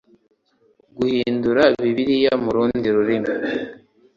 guhindura Bibiliya mu rundi rurimi